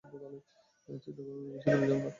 চিন্তা করো না, বেশী দূরে যাবো না, ওকে?